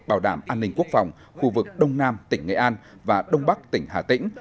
bảo đảm an ninh quốc phòng khu vực đông nam tỉnh nghệ an và đông bắc tỉnh hà tĩnh